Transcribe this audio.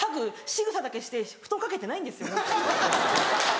しぐさだけして布団かけてないんですよ。